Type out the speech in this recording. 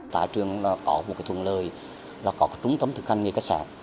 tại trường có một thuận lời là có trung tâm thực hành nghề khách sạn